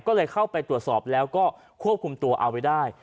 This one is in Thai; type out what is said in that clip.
ก็เลยเข้าไปตรวจสอบแล้วก็ควบคุมตัวเอาไว้ได้